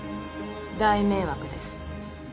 大迷惑です